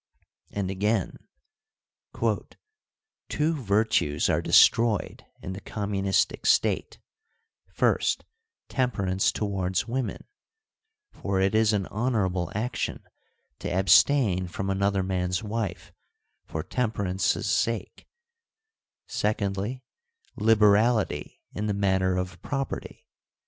And again : Two virtues are destroyed in the communistic State ; first, temperance towards women (for it is an honourable action to abstain from another man's wife for temper ance' sake) ; secondly, liberality in the matter of pro perty.